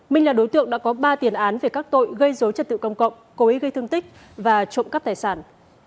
minh là đối tượng đã có ba tiền án về các tội gây dối trật tự công cộng cố ý gây thương tích và trộm cắp tài sản